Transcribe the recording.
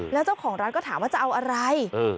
แล้วเจ้าของร้านก็ถามว่าจะเอาอะไร